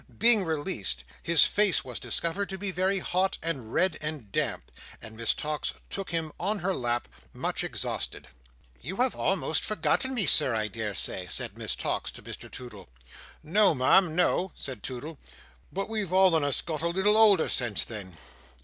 Being released, his face was discovered to be very hot, and red, and damp; and Miss Tox took him on her lap, much exhausted. "You have almost forgotten me, Sir, I daresay," said Miss Tox to Mr Toodle. "No, Ma'am, no," said Toodle. "But we've all on us got a little older since then."